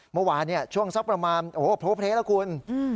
เมื่อวานช่วงสักประมาณโอ้โหโพเพลแล้วคุณ